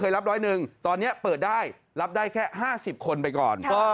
เคยรับร้อยหนึ่งตอนเนี้ยเปิดได้รับได้แค่ห้าสิบคนไปก่อน